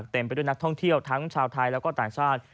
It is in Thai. ไปด้วยนักท่องเที่ยวทั้งชาวไทยแล้วก็ต่างชาติ